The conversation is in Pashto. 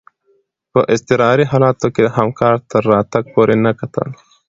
په اضطراري حالاتو کي د همکار تر راتګ پوري نه کتل.